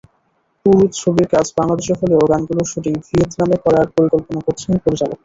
পুরো ছবির কাজ বাংলাদেশে হলেও গানগুলোর শুটিং ভিয়েতনামে করার পরিকল্পনা করছেন পরিচালক।